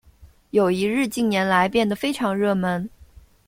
友谊日近年来变得非常热门。